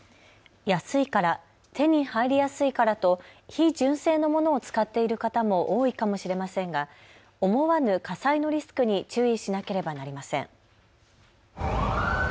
安いから、手に入りやすいからと非純正のものを使っている方も多いかもしれませんが思わぬ火災のリスクに注意しなければなりません。